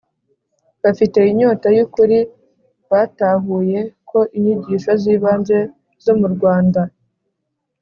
bafite inyota y ukuri batahuye ko inyigisho z ibanze zo mu rwanda